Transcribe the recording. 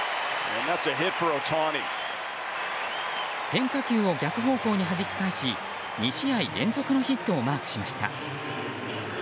変化球を逆方向にはじき返し２試合連続のヒットをマークしました。